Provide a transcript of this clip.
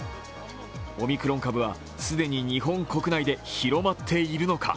オミクロン株は既に日本国内で広まっているのか。